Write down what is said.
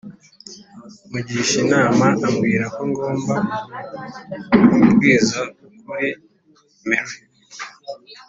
mugisha inama ambwirako ngomba kubwiza ukuri mary